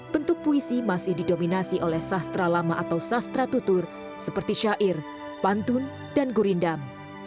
bentuk puisi masih didominasi oleh sastra lama atau sastra tutur seperti syair pantun dan gurindam